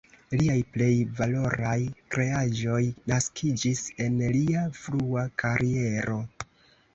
Liaj plej valoraj kreaĵoj naskiĝis en lia frua kariero.